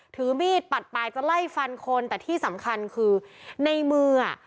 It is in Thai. ถือมีดปัดปลายจะไล่ฟันคนแต่ที่สำคัญคือในมืออ่ะ